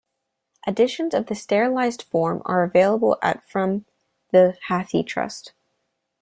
Editions of the serialized form are available at from the Hathi Trust.